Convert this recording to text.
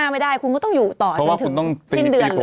ไม่ต่ำกว่า๑เดือน